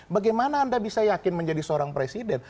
bagaimana anda bisa yakin menjadi seorang presiden